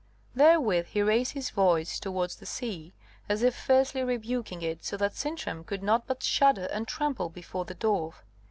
Therewith he raised his voice towards the sea, as if fiercely rebuking it, so that Sintram could not but shudder and tremble before the dwarf.